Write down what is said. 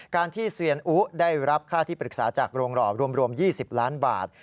การที่เซียนอุได้รับค่าที่ปรึกษาจากโรงหล่อรวม๒๐ล้านบาท